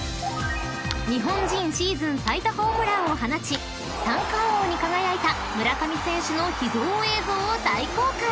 ［日本人シーズン最多ホームランを放ち三冠王に輝いた村上選手の秘蔵映像を大公開！］